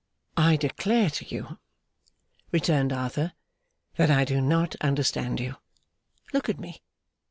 'I declare to you,' returned Arthur, 'that I do not understand you. Look at me.